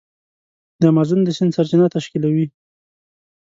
د امازون د سیند سرچینه تشکیلوي.